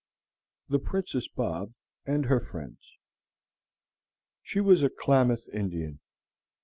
THE PRINCESS BOB AND HER FRIENDS. She was a Klamath Indian.